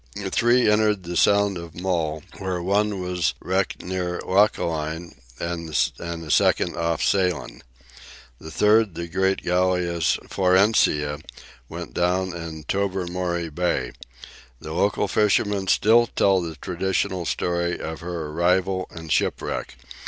Three entered the Sound of Mull, where one was wrecked near Lochaline, and a second off Salen. The third, the great galleass "Florencia," went down in Tobermory Bay. The local fishermen still tell the traditional story of her arrival and shipwreck.